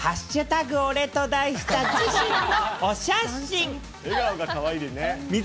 俺と題した自身のお写真。